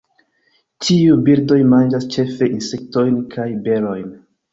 Tiuj birdoj manĝas ĉefe insektojn kaj berojn.